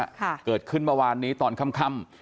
ครับเกิดขึ้นเมือนวานนี้ตอนค้ำ